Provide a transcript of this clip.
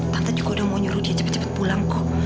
tante juga udah mau nyuruh dia cepat cepat pulang kok